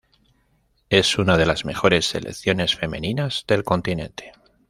Es una de las mejores selecciones femeninas del continente.